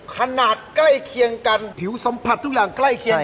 ขนาดใกล้เคียงกันผิวสัมผัสทุกอย่างใกล้เคียงกัน